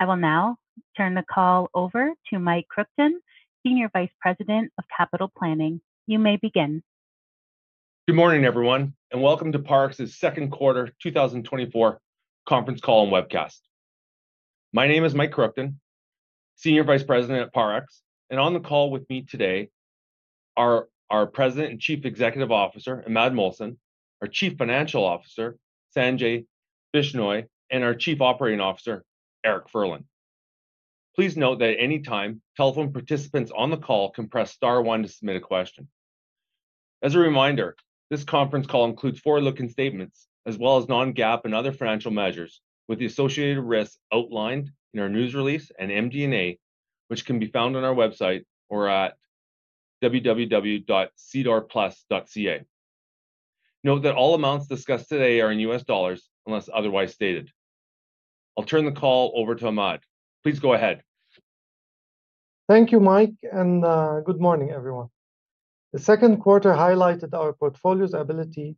I will now turn the call over to Mike Kruchten, Senior Vice President of Capital Planning. You may begin. Good morning, everyone, and welcome to Parex's second quarter 2024 conference call and webcast. My name is Mike Kruchten, Senior Vice President at Parex, and on the call with me today are our President and Chief Executive Officer, Imad Mohsen, our Chief Financial Officer, Sanjay Bishnoi, and our Chief Operating Officer, Eric Ferland. Please note that at any time, telephone participants on the call can press star one to submit a question. As a reminder, this conference call includes forward-looking statements, as well as non-GAAP and other financial measures, with the associated risks outlined in our news release and MD&A, which can be found on our website or at www.sedarplus.ca. Note that all amounts discussed today are in U.S. dollars, unless otherwise stated. I'll turn the call over to Imad. Please go ahead. Thank you, Mike, and good morning, everyone. The second quarter highlighted our portfolio's ability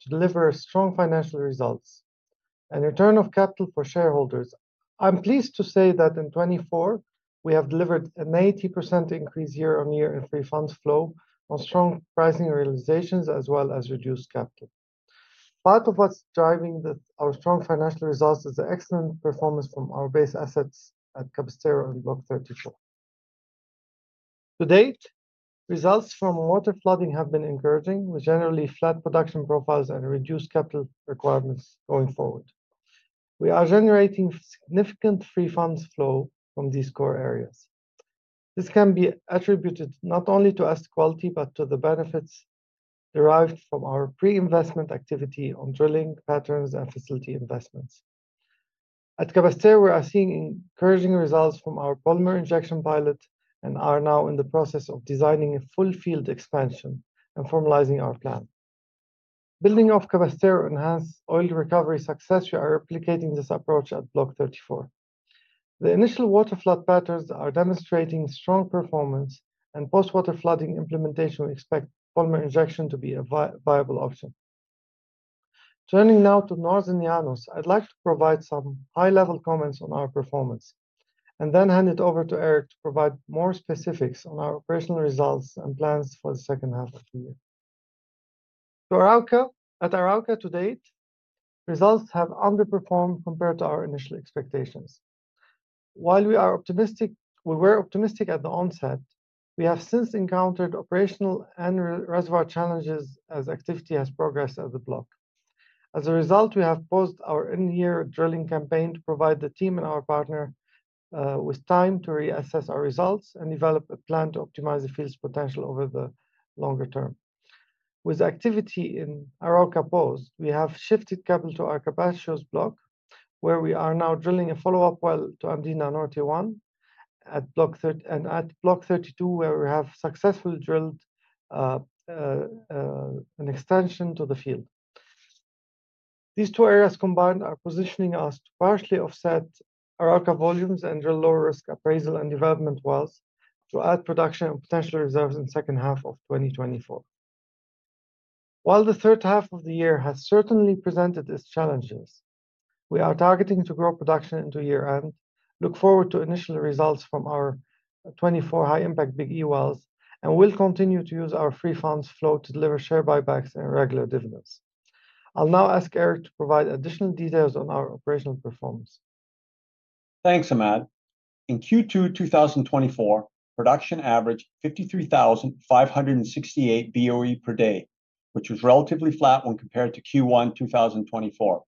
to deliver strong financial results and return of capital for shareholders. I'm pleased to say that in 2024, we have delivered an 80% increase year-on-year in free funds flow on strong pricing realizations as well as reduced capital. Part of what's driving our strong financial results is the excellent performance from our base assets at Cabrestero and Block 34. To date, results from waterflooding have been encouraging, with generally flat production profiles and reduced capital requirements going forward. We are generating significant free funds flow from these core areas. This can be attributed not only to asset quality, but to the benefits derived from our pre-investment activity on drilling patterns and facility investments. At Cabrestero, we are seeing encouraging results from our polymer injection pilot and are now in the process of designing a full field expansion and formalizing our plan. Building off Cabrestero enhanced oil recovery success, we are replicating this approach at Block 34. The initial waterflood patterns are demonstrating strong performance and post-waterflooding implementation, we expect polymer injection to be a viable option. Turning now to Northern Llanos, I'd like to provide some high-level comments on our performance and then hand it over to Eric to provide more specifics on our operational results and plans for the second half of the year. So Arauca. At Arauca to date, results have underperformed compared to our initial expectations. While we are optimistic... We were optimistic at the onset, we have since encountered operational and reservoir challenges as activity has progressed at the block. As a result, we have paused our in-year drilling campaign to provide the team and our partner with time to reassess our results and develop a plan to optimize the field's potential over the longer term. With activity in Arauca paused, we have shifted capital to our Capachos block, where we are now drilling a follow-up well to Andina Norte-1, and at Block 32, where we have successfully drilled an extension to the field. These two areas combined are positioning us to partially offset Arauca volumes and drill lower risk appraisal and development wells to add production and potential reserves in second half of 2024. While the third half of the year has certainly presented its challenges, we are targeting to grow production into year-end, look forward to initial results from our 2024 high-impact Big E wells, and we'll continue to use our free funds flow to deliver share buybacks and regular dividends. I'll now ask Eric to provide additional details on our operational performance. Thanks, Imad. In Q2 2024, production averaged 53,568 BOE per day, which was relatively flat when compared to Q1 2024.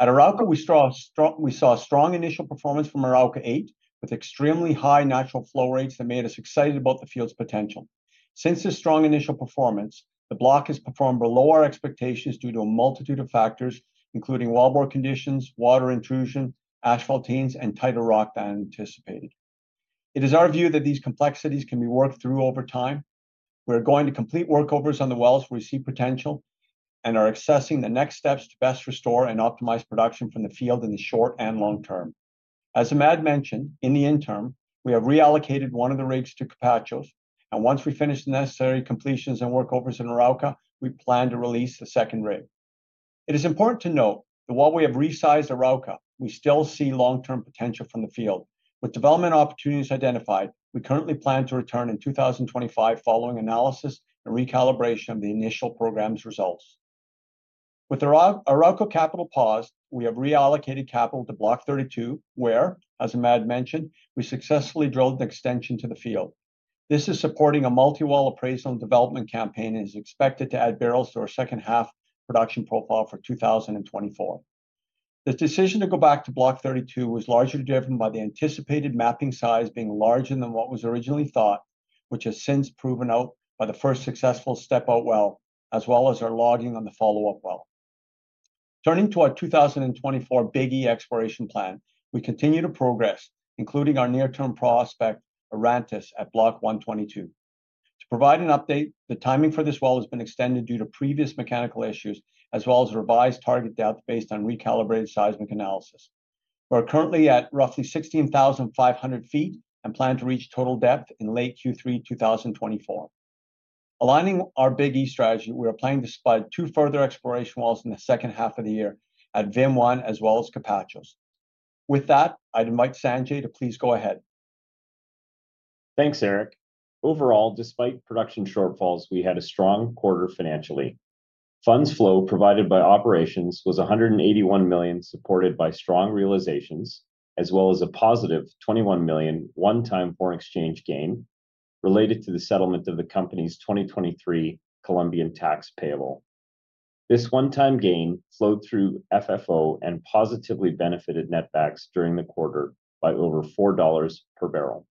At Arauca, we saw strong, we saw strong initial performance from Arauca-8, with extremely high natural flow rates that made us excited about the field's potential. Since this strong initial performance, the block has performed below our expectations due to a multitude of factors, including wellbore conditions, water intrusion, asphaltenes, and tighter rock than anticipated. It is our view that these complexities can be worked through over time. We're going to complete workovers on the wells we see potential and are assessing the next steps to best restore and optimize production from the field in the short and long term. As Imad mentioned, in the interim, we have reallocated one of the rigs to Capachos, and once we finish the necessary completions and workovers in Arauca, we plan to release the second rig. It is important to note that while we have resized Arauca, we still see long-term potential from the field. With development opportunities identified, we currently plan to return in 2025 following analysis and recalibration of the initial program's results. With Arauca capital paused, we have reallocated capital to Block 32, where, as Imad mentioned, we successfully drilled an extension to the field. This is supporting a multi-well appraisal and development campaign, and is expected to add barrels to our second half production profile for 2024. The decision to go back to Block 32 was largely driven by the anticipated mapping size being larger than what was originally thought, which has since proven out by the first successful step-out well, as well as our logging on the follow-up well. Turning to our 2024 Big E exploration plan, we continue to progress, including our near-term prospect, Orontes, at Block 122. To provide an update, the timing for this well has been extended due to previous mechanical issues, as well as a revised target depth based on recalibrated seismic analysis. We are currently at roughly 16,500 feet and plan to reach total depth in late Q3 2024.... Aligning our Big E strategy, we are planning to spud two further exploration wells in the second half of the year at VIM-1, as well as Capachos. With that, I'd invite Sanjay to please go ahead. Thanks, Eric. Overall, despite production shortfalls, we had a strong quarter financially. Funds flow provided by operations was $181 million, supported by strong realizations, as well as a positive $21 million one-time foreign exchange gain related to the settlement of the company's 2023 Colombian tax payable. This one-time gain flowed through FFO and positively benefited netbacks during the quarter by over $4 per barrel.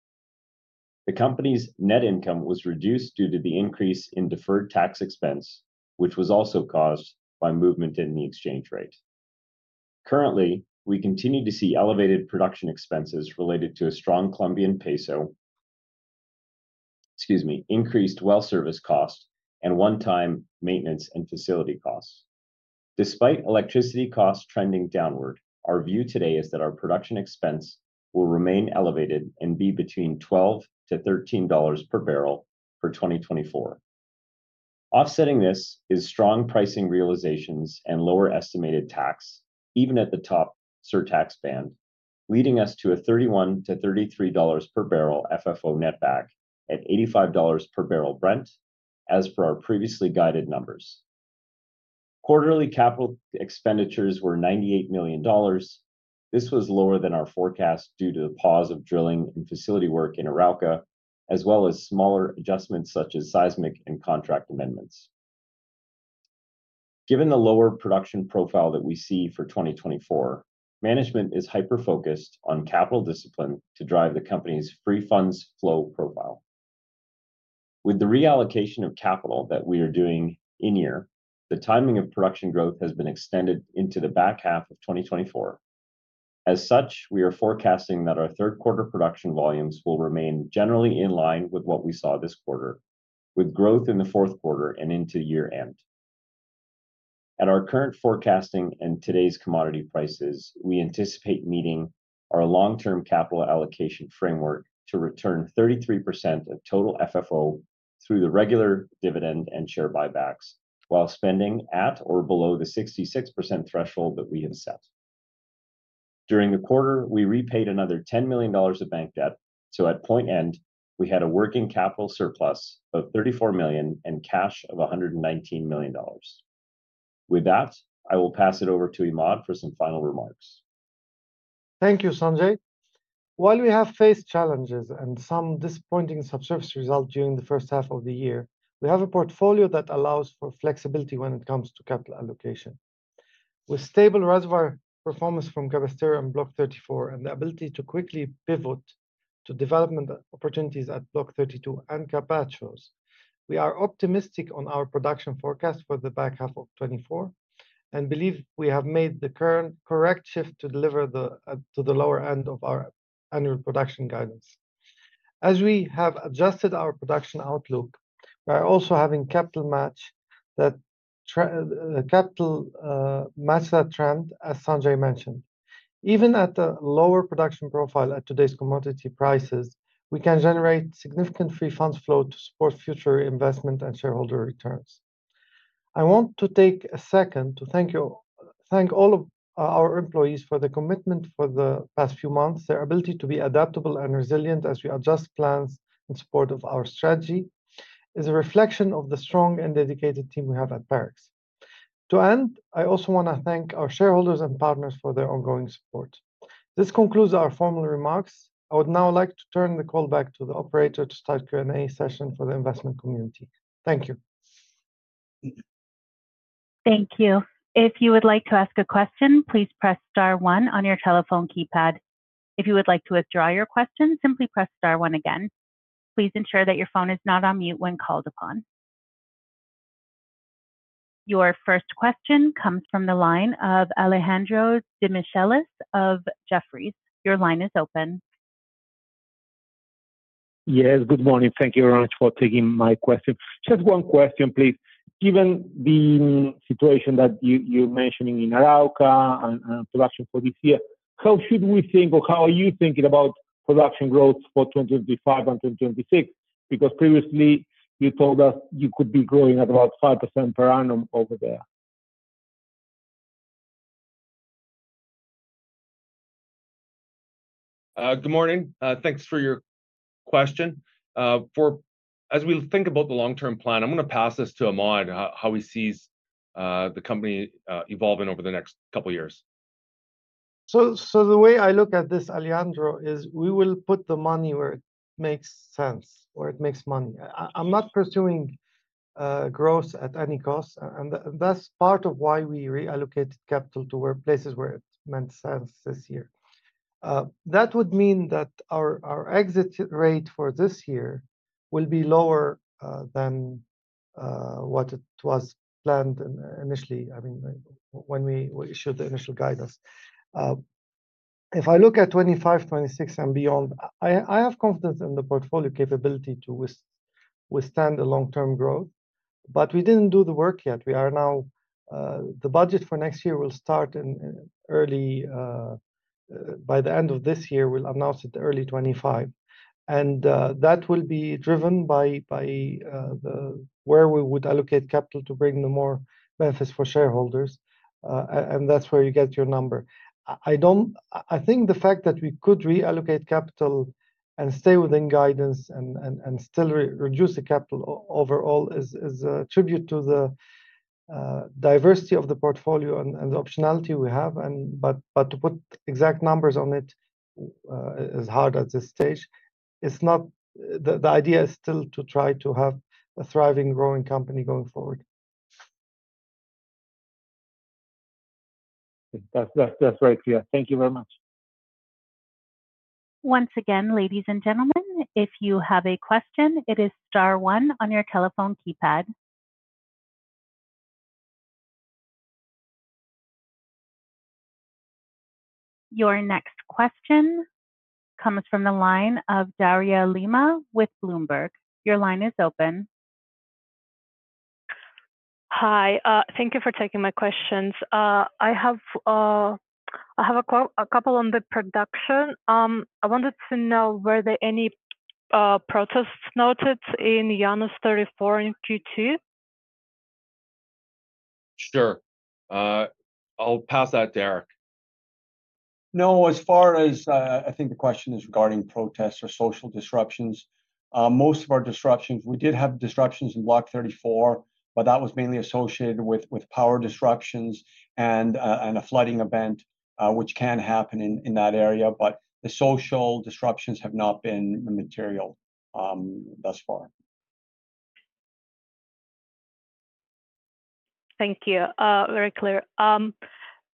The company's net income was reduced due to the increase in deferred tax expense, which was also caused by movement in the exchange rate. Currently, we continue to see elevated production expenses related to a strong Colombian peso—excuse me, increased well service costs, and one-time maintenance and facility costs. Despite electricity costs trending downward, our view today is that our production expense will remain elevated and be between $12-$13 per barrel for 2024. Offsetting this is strong pricing realizations and lower estimated tax, even at the top surtax band, leading us to a $31-$33 per barrel FFO net back at $85 per barrel Brent, as per our previously guided numbers. Quarterly capital expenditures were $98 million. This was lower than our forecast due to the pause of drilling and facility work in Arauca, as well as smaller adjustments such as seismic and contract amendments. Given the lower production profile that we see for 2024, management is hyper-focused on capital discipline to drive the company's free funds flow profile. With the reallocation of capital that we are doing in year, the timing of production growth has been extended into the back half of 2024. As such, we are forecasting that our third quarter production volumes will remain generally in line with what we saw this quarter, with growth in the fourth quarter and into year-end. At our current forecasting and today's commodity prices, we anticipate meeting our long-term capital allocation framework to return 33% of total FFO through the regular dividend and share buybacks, while spending at or below the 66% threshold that we have set. During the quarter, we repaid another $10 million of bank debt, so at quarter end, we had a working capital surplus of $34 million and cash of $119 million. With that, I will pass it over to Imad for some final remarks. Thank you, Sanjay. While we have faced challenges and some disappointing subsurface results during the first half of the year, we have a portfolio that allows for flexibility when it comes to capital allocation. With stable reservoir performance from Cabrestero and Block 34, and the ability to quickly pivot to development opportunities at Block 32 and Capachos, we are optimistic on our production forecast for the back half of 2024, and believe we have made the current correct shift to deliver to the lower end of our annual production guidance. As we have adjusted our production outlook, we are also having capital match that trend, as Sanjay mentioned. Even at a lower production profile at today's commodity prices, we can generate significant free funds flow to support future investment and shareholder returns. I want to take a second to thank you, thank all of our, our employees for the commitment for the past few months. Their ability to be adaptable and resilient as we adjust plans in support of our strategy is a reflection of the strong and dedicated team we have at Parex. To end, I also want to thank our shareholders and partners for their ongoing support. This concludes our formal remarks. I would now like to turn the call back to the operator to start the Q&A session for the investment community. Thank you. Thank you. If you would like to ask a question, please press star one on your telephone keypad. If you would like to withdraw your question, simply press star one again. Please ensure that your phone is not on mute when called upon. Your first question comes from the line of Alejandro Demichelis of Jefferies. Your line is open. Yes, good morning. Thank you very much for taking my question. Just one question, please. Given the situation that you're mentioning in Arauca and production for this year, how should we think, or how are you thinking about production growth for 2025 and 2026? Because previously you told us you could be growing at about 5% per annum over there. Good morning. Thanks for your question. As we think about the long-term plan, I'm gonna pass this to Imad, how he sees the company evolving over the next couple of years. So, so the way I look at this, Alejandro, is we will put the money where it makes sense, where it makes money. I, I'm not pursuing, growth at any cost, and, and that's part of why we reallocated capital to where places where it made sense this year. That would mean that our, our exit rate for this year will be lower, than, what it was planned in initially, I mean, when we, we issued the initial guidance. If I look at 2025, 2026, and beyond, I, I have confidence in the portfolio capability to withstand a long-term growth.... But we didn't do the work yet. We are now, the budget for next year will start in, in early, by the end of this year. We'll announce it early 2025, and that will be driven by the where we would allocate capital to bring the more benefits for shareholders. And that's where you get your number. I don't—I think the fact that we could reallocate capital and stay within guidance and still reduce the capital overall is a tribute to the diversity of the portfolio and the optionality we have, but to put exact numbers on it is hard at this stage. It's not. The idea is still to try to have a thriving, growing company going forward. That's very clear. Thank you very much. Once again, ladies, and gentlemen, if you have a question, it is star one on your telephone keypad. Your next question comes from the line of Daria Lima with Bloomberg. Your line is open. Hi, thank you for taking my questions. I have a couple on the production. I wanted to know, were there any protests noted in Block 34 in Q2? Sure. I'll pass that to Eric. No, as far as I think the question is regarding protests or social disruptions. Most of our disruptions, we did have disruptions in Block 34, but that was mainly associated with power disruptions and a flooding event, which can happen in that area, but the social disruptions have not been material, thus far. Thank you. Very clear.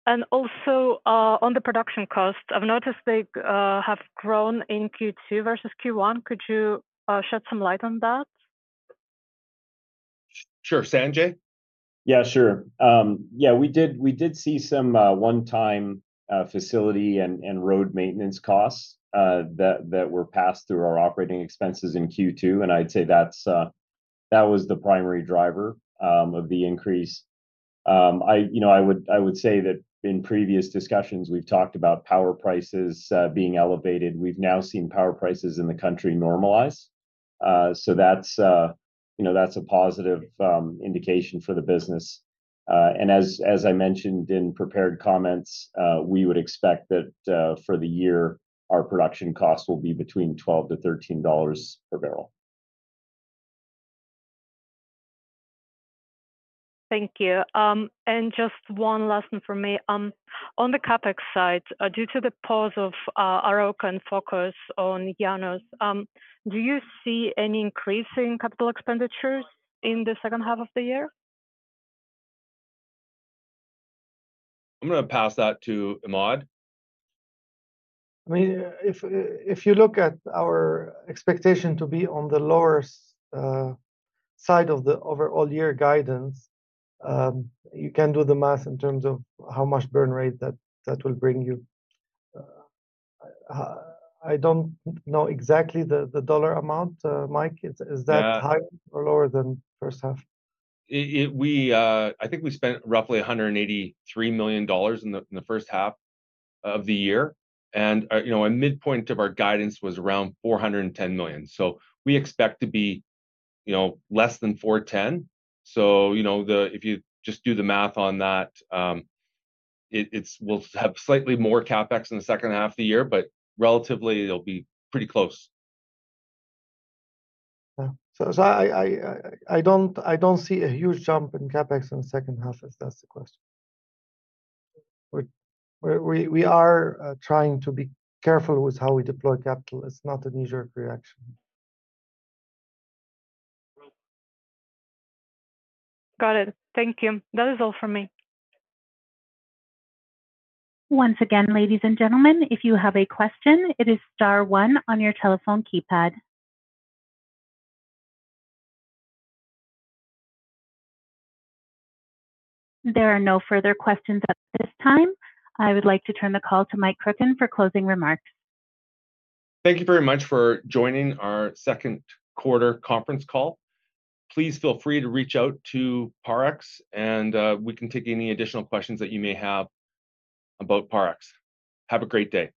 And also, on the production cost, I've noticed they have grown in Q2 versus Q1. Could you shed some light on that? Sure. Sanjay? Yeah, sure. Yeah, we did see some one-time facility and road maintenance costs that were passed through our operating expenses in Q2, and I'd say that was the primary driver of the increase. You know, I would say that in previous discussions, we've talked about power prices being elevated. We've now seen power prices in the country normalize. So that's, you know, that's a positive indication for the business. And as I mentioned in prepared comments, we would expect that for the year, our production cost will be between $12-$13 per barrel. Thank you. Just one last one for me. On the CapEx side, due to the pause of Arauca and focus on Llanos, do you see any increase in capital expenditures in the second half of the year? I'm gonna pass that to Imad. I mean, if you look at our expectation to be on the lower side of the overall year guidance, you can do the math in terms of how much burn rate that will bring you. I don't know exactly the dollar amount. Mike, is that- Yeah... higher or lower than first half? I think we spent roughly $183 million in the first half of the year, and you know, a midpoint of our guidance was around $410 million. So we expect to be, you know, less than $410. So, you know, if you just do the math on that, we'll have slightly more CapEx in the second half of the year, but relatively it'll be pretty close. Yeah. So, I don't see a huge jump in CapEx in the second half, if that's the question. We are trying to be careful with how we deploy capital. It's not a knee-jerk reaction. Got it. Thank you. That is all for me. Once again, ladies, and gentlemen, if you have a question, it is star one on your telephone keypad. There are no further questions at this time. I would like to turn the call to Mike Kruchten for closing remarks. Thank you very much for joining our second quarter conference call. Please feel free to reach out to Parex, and we can take any additional questions that you may have about Parex. Have a great day.